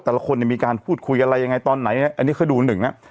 แต่ละคนเนี่ยมีการพูดคุยอะไรยังไงตอนไหนอันนี้เขาดูหนึ่งนะ